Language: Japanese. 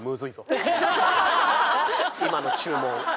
今の注文。